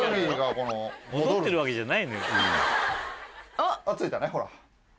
あっついたねほら。